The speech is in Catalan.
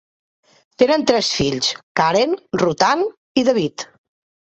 Tenen tres fills: Karen, Ruth Anne i David.